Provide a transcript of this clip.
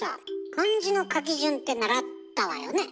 漢字の書き順って習ったわよねえ？